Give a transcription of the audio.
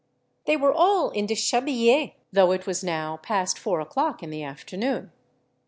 They were all in deshabillée, though it was now past four o'clock in the afternoon.